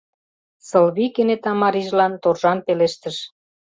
— Сылвий кенета марийжылан торжан пелештыш.